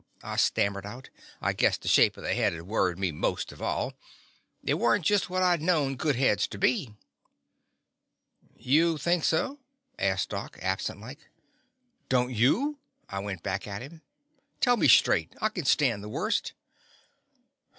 I stammered out. I guess the shape of the head had worried me most of all. It was n't just what I 'd known good heads to be. "You think so?" asked Doc, absent like. "Don't you?" I went back at him. The Confessions of a Daddy "Tell me straight. I can stand the worst."